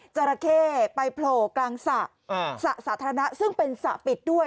จราเข้ไปโผล่กลางสระสาธารณะซึ่งเป็นสระปิดด้วย